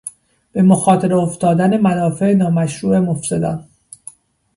به مخاطره افتادن منافع نامشروع مفسدان